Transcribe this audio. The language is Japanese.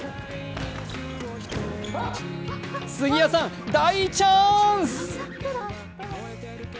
杉谷さん、大チャーンス！